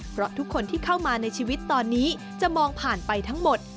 เพราะทุกคนที่เข้ามาในชีวิตตอนนี้จะมองผ่านไปทั้งหมด